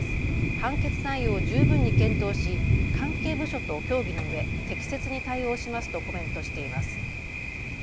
判決内容を十分に検討し関係部署と協議のうえ適切に対応しますとコメントしています。